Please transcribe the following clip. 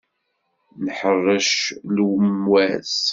Nḥeṛṛec lemwas.